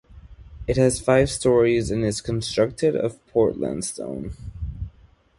It has five storeys and is constructed of Portland stone.